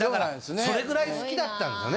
それぐらい好きだったんですよね